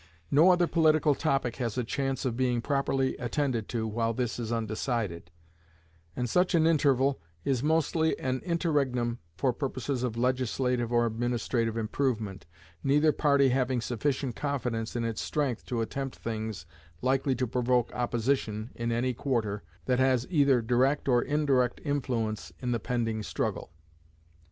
No other political topic has a chance of being properly attended to while this is undecided; and such an interval is mostly an interregnum for purposes of legislative or administrative improvement, neither party having sufficient confidence in its strength to attempt things likely to provoke opposition in any quarter that has either direct or indirect influence in the pending struggle.